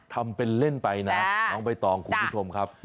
ทำเป็นเล่นไปนะน้องใบตองคุณผู้ชมครับ